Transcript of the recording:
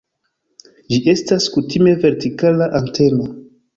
Ĝi estas kutime vertikala anteno.